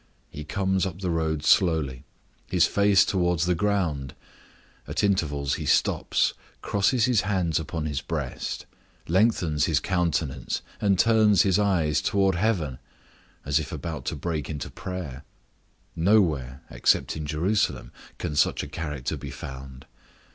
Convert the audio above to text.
He comes up the road slowly, his face towards the ground; at intervals he stops, crosses his hands upon his breast, lengthens his countenance, and turns his eyes towards heaven, as if about to break into prayer. Nowhere, except in Jerusalem, can such a character be found.